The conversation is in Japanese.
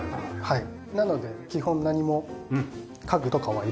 はい。